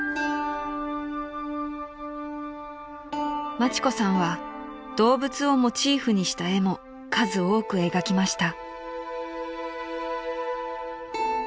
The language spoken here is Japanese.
［町子さんは動物をモチーフにした絵も数多く描きました］